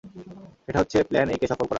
সেটা হচ্ছে plan A কে সফল করা।